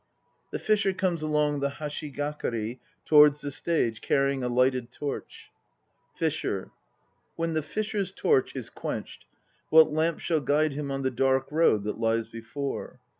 (The FISHER comes along the hashigakari towards the stage carrying a lighted torch.) FISHER. When the fisher's torch is quenched What lamp shall guide him on the dark road that lies before?